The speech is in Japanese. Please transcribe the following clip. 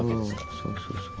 そうそうそう。